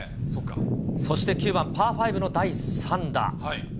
そして９番パーファイブの第３打。